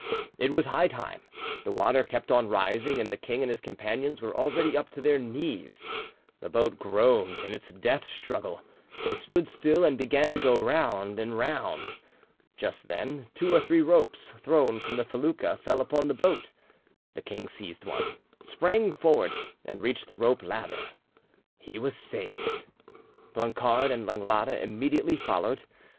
It was high time: the water kept on rising, and the king and his companions were already up to their knees; the boat groaned in its death struggle; it stood still, and began to go round and round. Just then two or three ropes thrown from the felucca fell upon the boat; the king seized one, sprang forward, and reached the rope ladder: he was saved. Blancard and Langlade immediately followed.